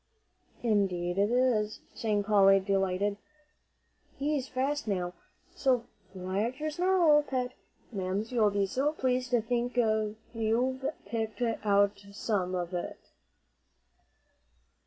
"Indeed, it is," sang Polly, delighted; "he's fast now, so fly at your snarl, Pet, Mamsie'll be so pleased to think you've picked out some of it."